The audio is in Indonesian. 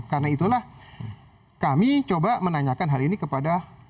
karena itulah kami coba menanyakan hal ini kepada